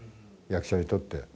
役者にとって。